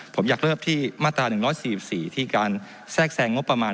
ผมอยากเริ่มที่มาตรา๑๔๔ที่การแทรกแซงงบประมาณ